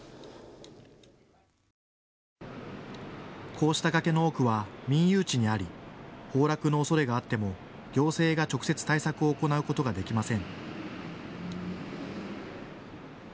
こうした崖の多くは民有地にあり崩落のおそれがあっても行政が直接対策を行うことができません。